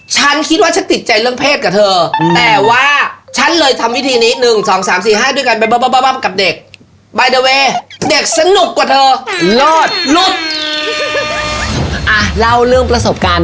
อ๋อจะรู้แล้วล่ะอยู่กับการบันเทิงเนี่ย